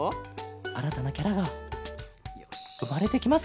あらたなキャラがうまれてきます